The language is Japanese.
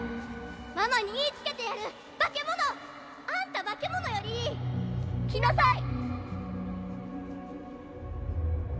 ママに言いつけてやる化け物！あんた化け物よリリー来なさい！∈